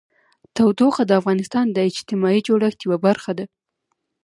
تودوخه د افغانستان د اجتماعي جوړښت یوه برخه ده.